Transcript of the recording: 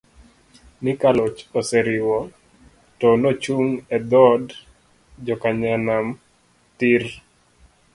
ni ka loch oseriwo, to nochung e dhood jokanyanam tiir!!